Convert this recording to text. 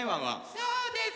そうです！